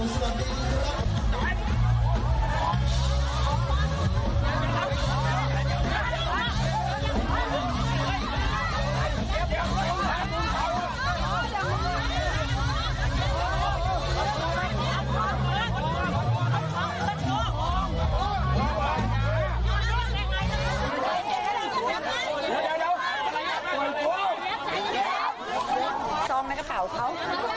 ซองไม่รู้ความขาวของเขา